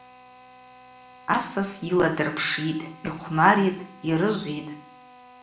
Асас йыла дырпшитӏ, йхъвмаритӏ, йрыжвитӏ.